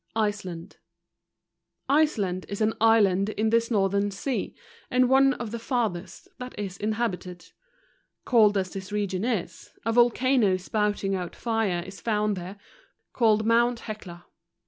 Iceland . Iceland is an island in this northern sea, and one of the farthest that is inhabited. Cold as this region is, a volcano spouting out fire is found there, called mount Hecla.